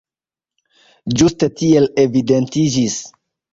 Ĝuste tiel evidentiĝis.